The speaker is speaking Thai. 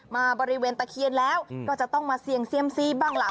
บริเวณตะเคียนแล้วก็จะต้องมาเสี่ยงเซียมซีบ้างล่ะ